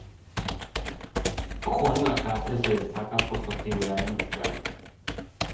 Juan Lacaze se destaca por su actividad industrial.